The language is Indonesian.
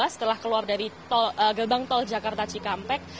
setelah keluar dari gerbang tol jakarta cikampek